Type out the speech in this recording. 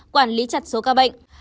quản lý chặt số ca bệnh